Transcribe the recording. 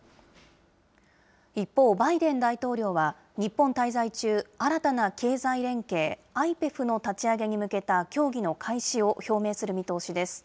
一方、バイデン大統領は日本滞在中、新たな経済連携、ＩＰＥＦの立ち上げに向けた協議の開始を表明する見通しです。